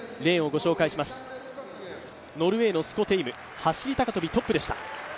ノルウェーのスコテイム、走高跳トップでした。